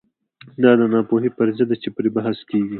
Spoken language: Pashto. دا د ناپوهۍ فرضیه ده چې پرې بحث کېږي.